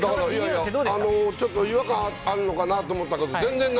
ちょっと違和感あるのかなと思ったけど、あー！